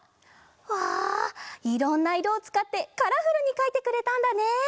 うわいろんないろをつかってカラフルにかいてくれたんだね。